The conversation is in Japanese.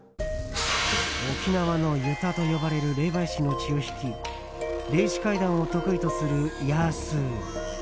沖縄のユタと呼ばれる霊媒師の血を引き霊視怪談を得意とするヤースー。